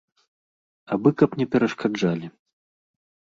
Абы каб не перашкаджалі.